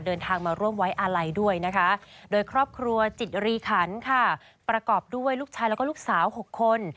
เดินทางมาร่วมไว้อาลัยด้วยนะคะโดยครอบครัวจิตรีขันค่ะประกอบด้วยลูกชายแล้วก็ลูกสาว๖คน